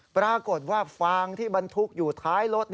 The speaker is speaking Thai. ปรากฏว่าฟางที่บรรทุกอยู่ท้ายรถ